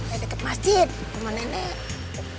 eh deket masjid rumah nenek